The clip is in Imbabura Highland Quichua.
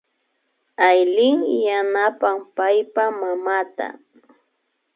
Aylin yanapan paypa mamata